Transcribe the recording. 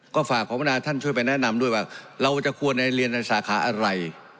ก็ฝากขอบนาท่านช่วยไปแนะนำด้วยว่าเราจะควรเรียนในสาขาอะไร